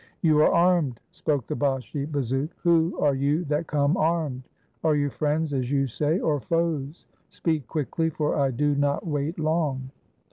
*'You are armed," spoke the Bashi bazouk. "Who are you that come armed ? Are you friends, as you say, or foes? Speak, quickly, for I do not wait long."